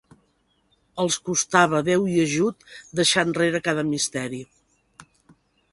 Els costava deu i ajut deixar enrere cada misteri.